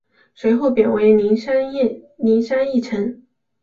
随后贬为麟山驿丞。